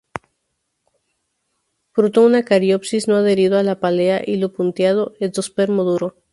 Fruto una cariopsis, no adherido a la pálea; hilo punteado; endospermo duro.